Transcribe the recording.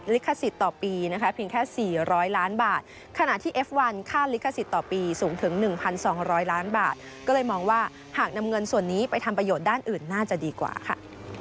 ลิขสิทธิ์ต่อปีสูงถึง๑๒๐๐ล้านบาทก็เลยมองว่าหากนำเงินส่วนนี้ไปทำประโยชน์ด้านอื่นน่าจะดีกว่าค่ะ